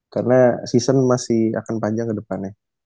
karena season masih akan panjang kedepannya